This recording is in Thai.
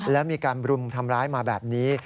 แล้วมีการบรุมทำร้ายมาแบบนี้